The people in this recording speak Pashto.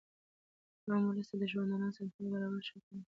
عام اولس ته د ژوندانه اسانتیاوي برابرول ښه کار دئ.